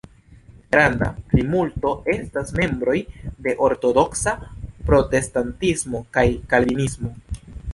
Granda plimulto estas membroj de ortodoksa protestantismo kaj kalvinismo.